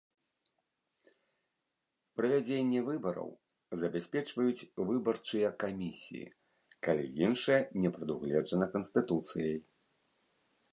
Правядзенне выбараў забяспечваюць выбарчыя камісіі, калі іншае не прадугледжана Канстытуцыяй.